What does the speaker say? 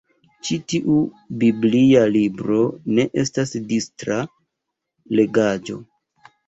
Ĉi tiu biblia libro ne estas distra legaĵo.